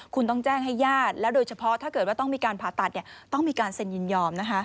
คุณต้องแจ้งให้ญาติแล้วโดยเฉพาะถ้าเกิดว่าต้องมีการผ่าตัดต้องมีการเซ็นยินยอม